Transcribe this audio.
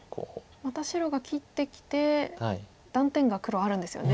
また白が切ってきて断点が黒あるんですよね。